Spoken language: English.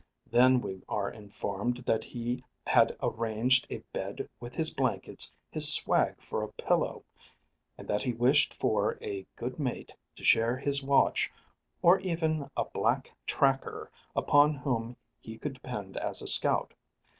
Then we are informed that "he had arranged a bed with his blankets, his swag for a pillow," and that he wished for a good mate to share his watch, or even "a black tracker upon whom he could depend as a scout."